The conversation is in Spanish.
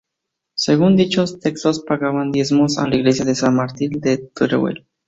Según dichos textos pagaba diezmos a la iglesia de San Martín de Teruel.